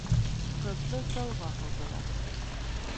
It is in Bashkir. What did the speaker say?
Ҡыҙҙы залға һалдылар.